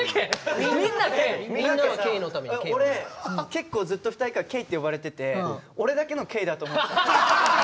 俺結構ずっと２人からケイって呼ばれてて俺だけのケイだと思ってた。